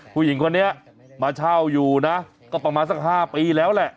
ผู้หญิงคนนี้มาเช่าอยู่นะก็ประมาณสัก๕ปีแล้วแหละ